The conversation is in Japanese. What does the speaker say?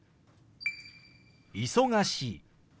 「忙しい」。